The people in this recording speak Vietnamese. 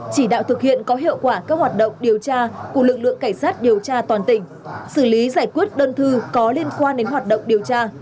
chỉ đạo thực hiện có hiệu quả các hoạt động điều tra của lực lượng cảnh sát điều tra toàn tỉnh xử lý giải quyết đơn thư có liên quan đến hoạt động điều tra